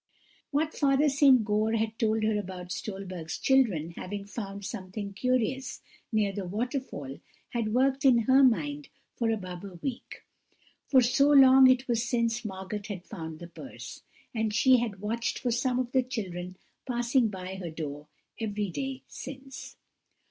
What Father St. Goar had told her about Stolberg's children having found something curious near the waterfall had worked in her mind for above a week, for so long it was since Margot had found the purse; and she had watched for some of the children passing by her door every day since.